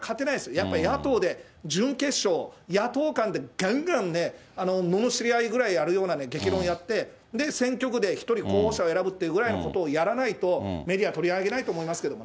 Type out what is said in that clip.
やっぱり野党で、準決勝、野党間でがんがんね、ののしり合いぐらいやるようなね、激論をやって、選挙区で１人候補者を選ぶっていうぐらいのことをやらないと、メディア、取り上げないと思いますけどね。